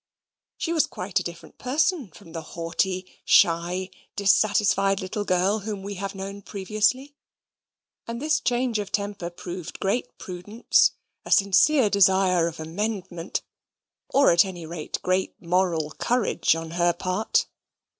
She was quite a different person from the haughty, shy, dissatisfied little girl whom we have known previously, and this change of temper proved great prudence, a sincere desire of amendment, or at any rate great moral courage on her part.